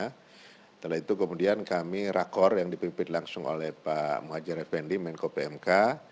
setelah itu kemudian kami rakor yang dipimpin langsung oleh pak muhajir effendi menko pmk